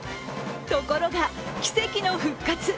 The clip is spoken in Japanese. ところが、奇跡の復活。